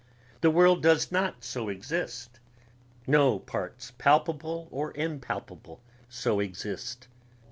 The world does not so exist ... no parts palpable or impalpable so exist